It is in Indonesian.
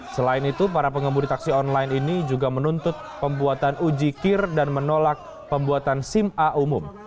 selain itu para pengemudi taksi online ini juga menuntut pembuatan ujikir dan menolak pembuatan sim a umum